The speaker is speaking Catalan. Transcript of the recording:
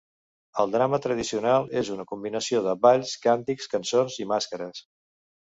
El drama tradicional és una combinació de balls, càntics, cançons, i màscares.